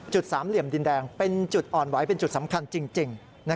สามเหลี่ยมดินแดงเป็นจุดอ่อนไหวเป็นจุดสำคัญจริง